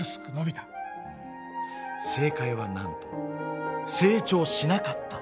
うん正解はなんと成長しなかった。